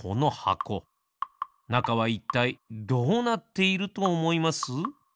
なかはいったいどうなっているとおもいます？